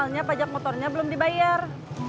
misalnya pajak motornya belum dibayar